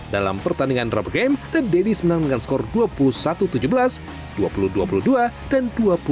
dalam pertandingan drub game the daddies menang dengan skor dua puluh satu tujuh belas dua puluh dua puluh dua dan dua puluh satu dua belas